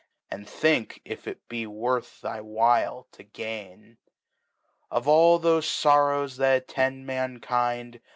And think if it be worth thy while to gain.: Of all thofe Sorrows that attend Mankind